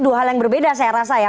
dua hal yang berbeda saya rasa ya